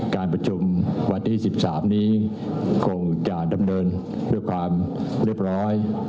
การประชุมวันที่๑๓นี้คงจะดำเนินด้วยความเรียบร้อย